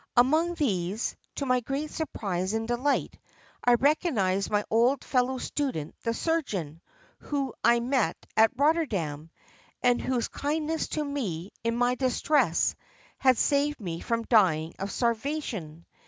Among these, to my great surprise and delight, I recognised my old fellow student the surgeon, whom I met at Rotterdam, and whose kindness to me, in my distress, had saved me from dying of starvation.